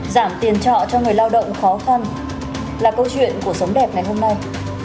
giảm tiền trọ cho người lao động khó khăn là câu chuyện của sống đẹp ngày hôm nay